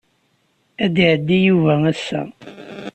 Ad d-iɛeddi Yuba ass-a.